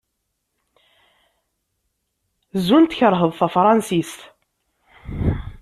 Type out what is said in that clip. Zun tkerheḍ tanfransist?